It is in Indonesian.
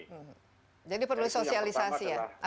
jadi perlu sosialisasi ya